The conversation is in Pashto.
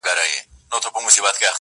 وخت یاري ور سره وکړه لوی مالدار سو,